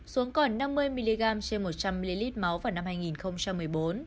xuống còn năm mươi mg trên một trăm linh ml máu vào năm hai nghìn một mươi bốn